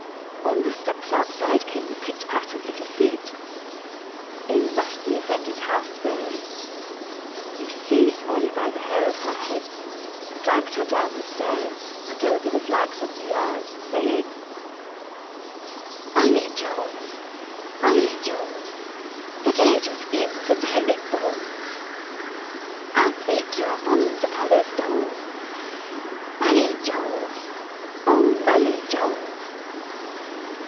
on the steps outside came the pit pat of little feet. In rushed the offended house fairy. He seized Molly by the hair of her head, and dragged her down the stairs, and over the flags of the yard, saying, "Molly Jones! Molly Jones! Potato skins and herring bones! I'll break your bones upon the stones, Molly Jones, oh! Molly Jones!"